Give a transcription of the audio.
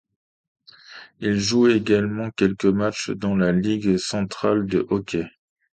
Il joue également quelques matchs dans la Ligue centrale de hockey.